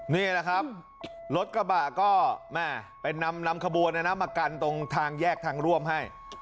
นะเหล่ะครับรถกระบะกร์นามขบวนมากันตรงทางแยกทางร่วมให้